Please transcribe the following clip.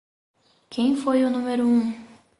Quem foi o número um?